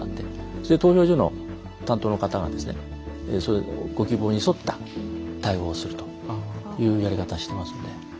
それで投票所の担当の方がご希望に沿った対応をするというやり方をしてますので。